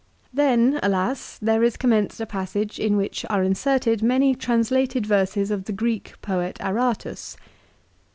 Then, alas ! there is commenced a passage in which are inserted many translated verses of the Greek poet Aratus.